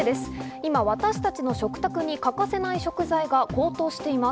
今、私たちの食卓に欠かせない食材が高騰しています。